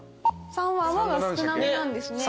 ３は泡が少なめなんですね。